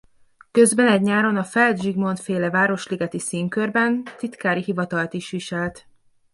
Közben egy nyáron a Feld Zsigmond-féle Városligeti Színkörben titkári hivatalt is viselt.